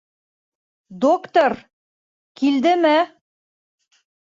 Доктор... килдеме?